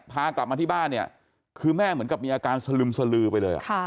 พากลับมาที่บ้านเนี่ยคือแม่เหมือนกับมีอาการสลึมสลือไปเลย